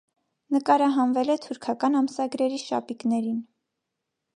Նկարահանվել է թուրքական ամսագրերի շապիկներին։